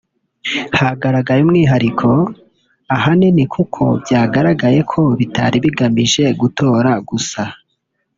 hagaragaye umwihariko ahanini kuko byagaragaye ko bitari bigamije gutora gusa